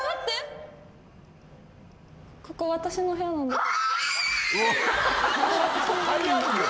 ここ私の部屋なんだけど。